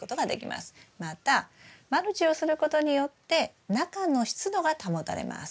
またマルチをすることによって中の湿度が保たれます。